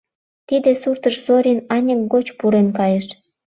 Тиде суртыш Зорин аньык гоч пурен кайыш.